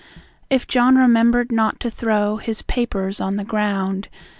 If John remembered not to throw His papers on the ground.